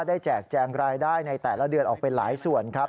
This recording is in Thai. แจกแจงรายได้ในแต่ละเดือนออกไปหลายส่วนครับ